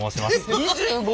２５！？